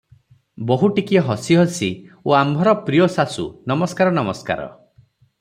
ବୋହୁ ଟିକିଏ ହସି ହସି 'ଓ ଆମ୍ଭର ପ୍ରିୟ ଶାଶୁ! ନମସ୍କାର -ନମସ୍କାର ।